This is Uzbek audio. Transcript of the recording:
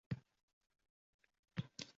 Ota-onam bilan birga yashayman.